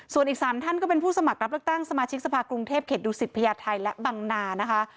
ส่วนอีก๓ท่านก็เป็นผู้สมัครรับเลือกตั้งสมาชิกสภาคกรุงเทพเขตดูสิตพญาไทยและบังนานะคะ